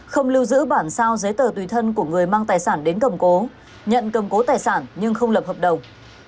không lưu giữ bản sao giấy tờ tùy thân của người mang tài sản đến cầm cố nhận cầm cố tài sản nhưng không lập hợp đồng